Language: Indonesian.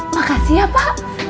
makasih ya pak